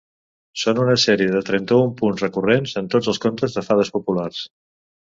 Són una sèrie de trenta-un punts recurrents en tots els contes de fades populars.